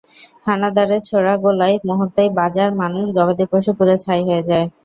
হানাদারের ছোড়া গোলায় মুহূর্তেই বাজার, মানুষ, গবাদিপশু পুড়ে ছাই হয়ে যায়।